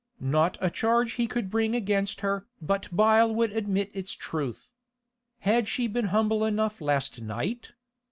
Not a charge he could bring against her but Bile would admit its truth. Had she been humble enough last night?